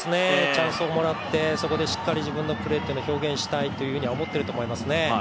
チャンスをもらって、そこでしっかり自分のプレーというのを表現したいと思っているでしょうね。